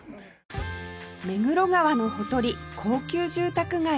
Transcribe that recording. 目黒川のほとり高級住宅街の一角